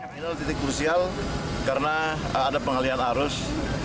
ini adalah titik krusial karena ada pengalian arus